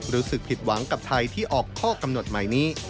รู้สึกผิดหวังกับไทยที่ออกข้อกำหนดใหม่นี้